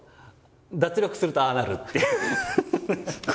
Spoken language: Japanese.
脱力するとああなるっていう。